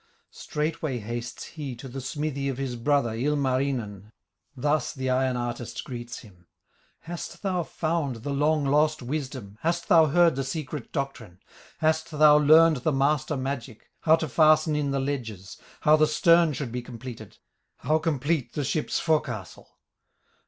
Straightway hastes he to the smithy Of his brother, Ilmarinen, Thus the iron artist greets him: "Hast thou found the long lost wisdom, Hast thou heard the secret doctrine, Hast thou learned the master magic, How to fasten in the ledges, How the stern should be completed, How complete the ship's forecastle?"